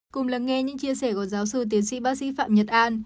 cùng lắng nghe những chia sẻ của giáo sư tiến sĩ bác sĩ phạm nhật an